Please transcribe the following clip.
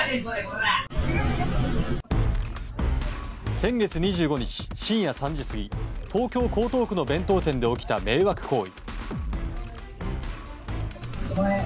先月２５日、深夜３時過ぎ東京・江東区の弁当店で起きた迷惑行為。